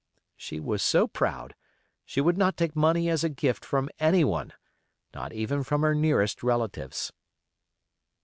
She was so proud she would not take money as a gift from anyone, not even from her nearest relatives.